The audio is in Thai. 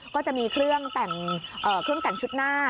ก็จะมีเครื่องแต่งชุดหน้า